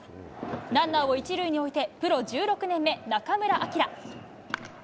ランナーを１塁に置いて、プロ１６年目、中村晃。